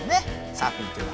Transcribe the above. サーフィンというのは。